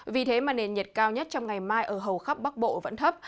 vì thế mà nền nhiệt cao nhất trong ngày mai ở hầu khắp bắc bộ vẫn thấp